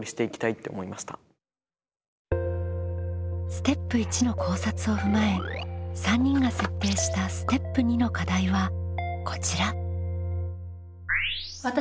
ステップ１の考察を踏まえ３人が設定したステップ２の課題はこちら。